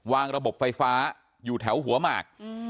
ระบบไฟฟ้าอยู่แถวหัวหมาก